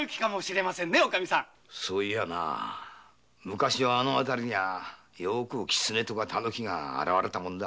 昔はあの辺りはよくキツネとかタヌキが現れたもんだ。